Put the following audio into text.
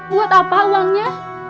buat apa uangnya